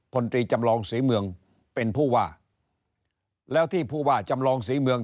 ตรีจำลองศรีเมืองเป็นผู้ว่าแล้วที่ผู้ว่าจำลองศรีเมือง